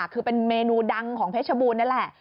คือเป็นเมนูดังของเพชรบูรณนั่นแหละ